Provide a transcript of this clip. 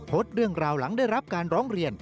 โพสต์เรื่องราวหลังได้รับการร้องเรียน